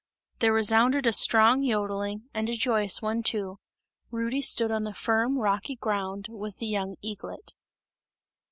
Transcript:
There resounded a strong jodling, and a joyous one too. Rudy stood on the firm, rocky ground with the young eaglet.